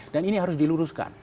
dan ini harus diluruskan